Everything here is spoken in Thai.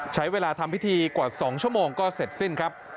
ใช้เวลาทำพิธีกว่า๒ชั่วโมงก็เสร็จสิ้นครับ